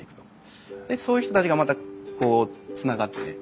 そういう人たちがまたこうつながってね。